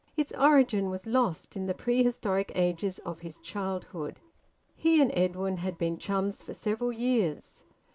Its origin was lost in the prehistoric ages of his childhood. He and Edwin had been chums for several years.